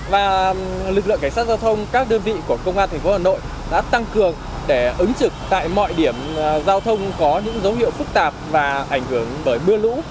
và lực lượng cảnh sát giao thông các đơn vị của công an thành phố hà nội đã tăng cường để ứng trực tại mọi điểm giao thông có những dấu hiệu phức tạp và ảnh hưởng bởi mưa lũ